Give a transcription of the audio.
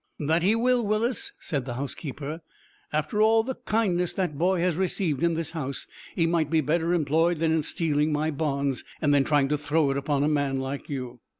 "That he will, Willis," said the housekeeper. "After all the kindness that boy has received in this house, he might be better employed than in stealing my bonds, and then trying to throw it upon a man like you."